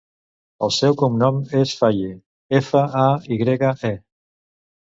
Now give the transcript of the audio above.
El seu cognom és Faye: efa, a, i grega, e.